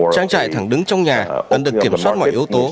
trang trại thẳng đứng trong nhà cần được kiểm soát mọi yếu tố